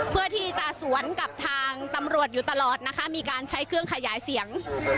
เพื่อที่จะสวนกับทางตำรวจอยู่ตลอดนะคะมีการใช้เครื่องขยายเสียง